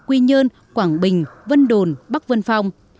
quy nhơn quảng bình vân đồn bắc vân phong